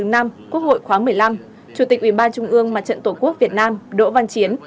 quốc hội khoáng một mươi năm chủ tịch ubnd trung ương mặt trận tổ quốc việt nam đỗ văn chiến